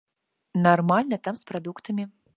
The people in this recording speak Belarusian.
Нармальна там з прадуктамі.